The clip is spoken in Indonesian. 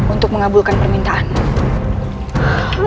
untuk mengabulkan permintaanmu